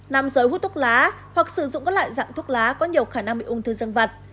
nam giới hút thuốc lá hoặc sử dụng các loại dạng thuốc lá có nhiều khả năng bị ung thư dân vật